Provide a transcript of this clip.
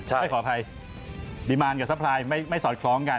ไม่ขออภัยปริมาณกับซัพพลายไม่สอดคล้องกัน